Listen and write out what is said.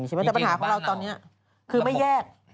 แต่ปัญหาของเราตอนนี้คือไม่แยก